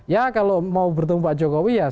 ya kalau mau bertemu pak jokowi ya saya juga akan bertemu